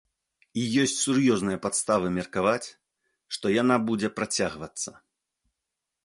І ёсць сур'ёзныя падставы меркаваць, што яна будзе працягвацца.